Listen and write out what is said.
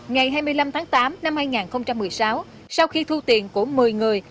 ngày hai mươi năm tháng tám năm hai nghìn một mươi sáu sau khi thu tiền của một mươi người